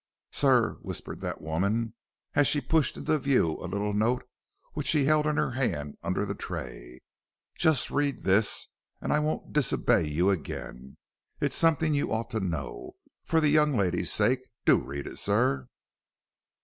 "Sir," whispered that woman, as she pushed into view a little note which she held in her hand under the tray, "just read this, and I won't disobey you again. It's something you ought to know. For the young ladies' sakes do read it, sir."